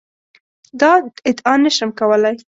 دا ادعا نه شم کولای.